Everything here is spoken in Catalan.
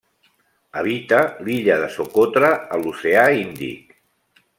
Habita l'illa de Socotra, a l'Oceà Índic.